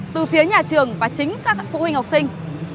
từ phía nhà trường và chính các phụ huynh học sinh